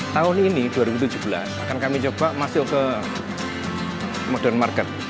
tahun ini dua ribu tujuh belas akan kami coba masuk ke modern market